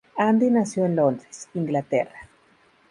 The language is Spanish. Andy nació en Londres, Inglaterra.